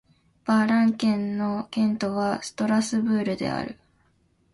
バ＝ラン県の県都はストラスブールである